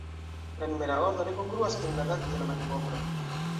La numera ordo ne kongruas kun la dato de la malkovro.